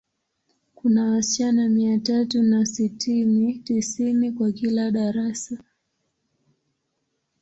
Kuna wasichana mia tatu na sitini, tisini kwa kila darasa.